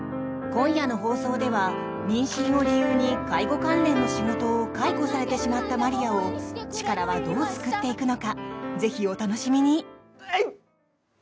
今夜の放送では妊娠を理由に介護関連の仕事を解雇されてしまったマリアをチカラはどう救っていくのかぜひお楽しみに。